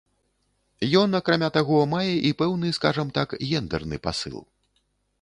Ён, акрамя таго, мае і пэўны, скажам так, гендэрны пасыл.